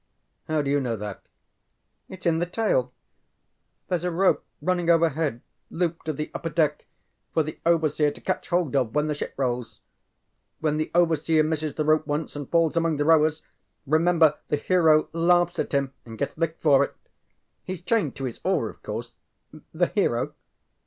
ŌĆØ ŌĆ£How do you know that? ŌĆØ ŌĆ£ItŌĆÖs in the tale. ThereŌĆÖs a rope running overhead, looped to the upper deck, for the overseer to catch hold of when the ship rolls. When the overseer misses the rope once and falls among the rowers, remember the hero laughs at him and gets licked for it. HeŌĆÖs chained to his oar of course the hero.